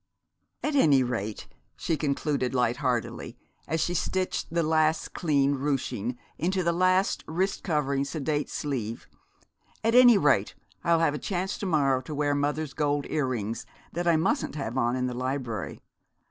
"At any rate," she concluded light heartedly, as she stitched the last clean ruching into the last wrist covering, sedate sleeve, "at any rate I'll have a chance to morrow to wear mother's gold earrings that I mustn't have on in the library.